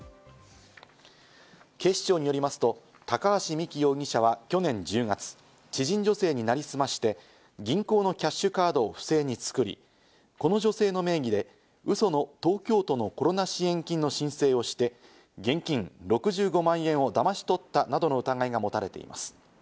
警視庁によりますと高橋実希容疑者は去年１０月、知人女性になりすまして銀行のキャッシュカードを不正に作り、この女性の名義でウソの東京都のコロナ支援金の申請をして、現金６５万円をだまし取ったなどの疑いがもたれています。